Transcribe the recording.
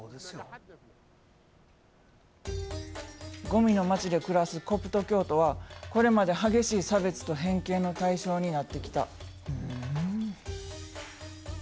ゴミの町で暮らすコプト教徒はこれまで激しい差別と偏見の対象になってきた。